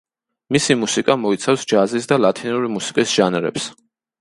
მისი მუსიკა მოიცავს ჯაზის და ლათინური მუსიკის ჟანრებს.